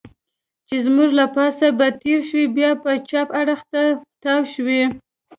چې زموږ له پاسه به تېرې شوې، بیا به چپ اړخ ته تاو شوې.